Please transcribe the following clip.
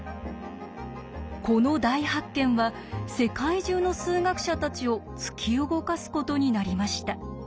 この大発見は世界中の数学者たちを突き動かすことになりました。